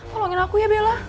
tolongin aku ya bella